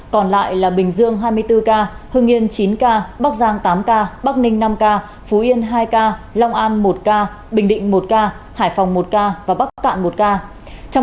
còn lại là bình dương hai mươi bốn ca hưng yên chín ca bắc giang tám ca bắc ninh năm ca phú yên hai ca long an một ca bình định một ca hải phòng một ca và bắc cạn một ca